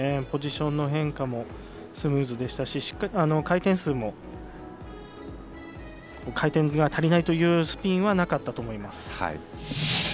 ポジションの変化もスムーズでしたし、回転数も回転が足りないというスピンはなかったと思います。